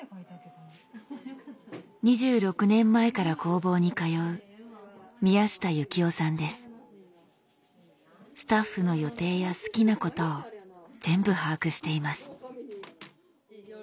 ２６年前から工房に通うスタッフの予定や好きなことを全部把握しています。